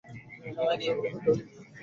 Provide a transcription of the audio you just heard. ওহ, Dolly!